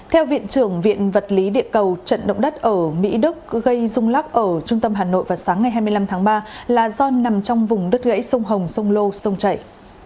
theo viện trưởng viện vật lý địa cầu trận động đất ở mỹ đức gây rung lắc ở trung tâm hà nội vào sáng ngày hai mươi năm tháng ba là do nằm trong vùng đất gãy sông hồng sông lô sông chảy